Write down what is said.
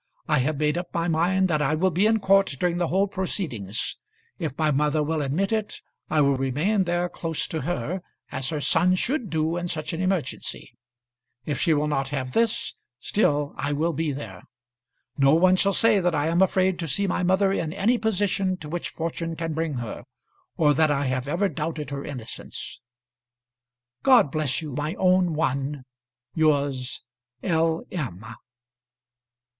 I have made up my mind that I will be in court during the whole proceedings. If my mother will admit it, I will remain there close to her, as her son should do in such an emergency. If she will not have this, still I will be there. No one shall say that I am afraid to see my mother in any position to which fortune can bring her, or that I have ever doubted her innocence. God bless you, my own one. Yours, L. M.